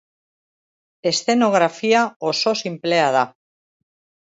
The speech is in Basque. Eszenografia oso sinplea da.